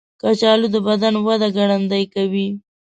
کچالو د بدن وده ګړندۍ کوي.